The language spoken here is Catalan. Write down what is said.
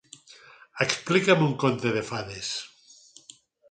Explica'm un conte de fades.